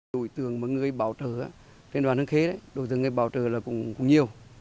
đội tường mấy người bảo trợ trên đoàn hướng khế đội tường người bảo trợ là cũng nhiều